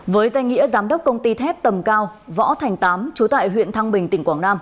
với danh nghĩa giám đốc công ty thép tầm cao võ thành tám chú tại huyện thăng bình tỉnh quảng nam